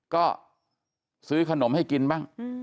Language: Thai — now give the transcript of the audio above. ก็ซื้อขนมให้กินบ้าง